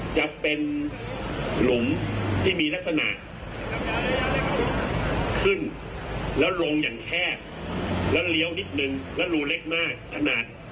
จะเป็นหลุมที่มีลักษณะขึ้นแล้วลงอย่างแคบแล้วเลี้ยวนิดนึงแล้วรูเล็กมากขนาด